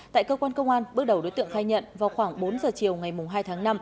tại cơ quan công an bước đầu đối tượng khai nhận vào khoảng bốn giờ chiều ngày hai tháng năm